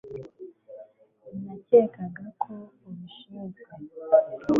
nakekaga ko ubishinzwe